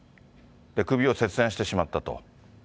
首を切断してしまったと。